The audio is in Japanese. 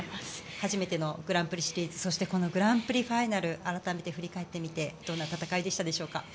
初めてのグランプリシリーズそしてこのグランプリファイナル改めて振り返ってみてどんな戦いだったでしょうか。